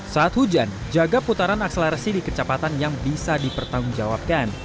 saat hujan jaga putaran akselerasi di kecepatan yang bisa dipertanggungjawabkan